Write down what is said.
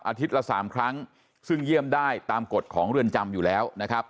ละ๓ครั้งซึ่งเยี่ยมได้ตามกฎของเรือนจำอยู่แล้วนะครับ